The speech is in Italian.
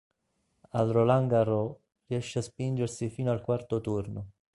Al Roland Garros riesce a spingersi fino al quarto turno.